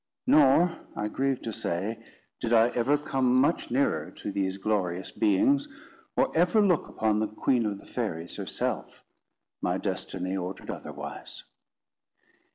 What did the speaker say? Nor, I grieve to say, did I ever come much nearer to these glorious beings, or ever look upon the Queen of the Fairies herself. My destiny ordered otherwise.